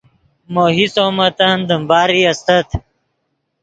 مو حصو متن دیم باری استت